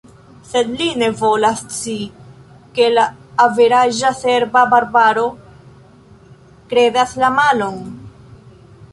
Sed li ne volas scii, ke la averaĝa serba barbaro kredas la malon.